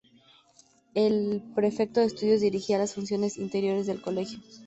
El prefecto de estudios dirigía las funciones interiores del colegio.